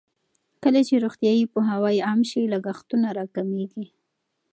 کله چې روغتیايي پوهاوی عام شي، لګښتونه راکمېږي.